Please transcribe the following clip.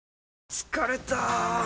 疲れた！